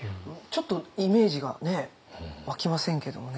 ちょっとイメージが湧きませんけどもね。